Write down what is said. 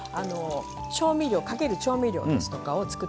調味料かける調味料ですとかを作っていきましょう。